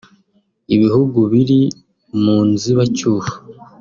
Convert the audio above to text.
Ibihugu biri mu nzibacyuho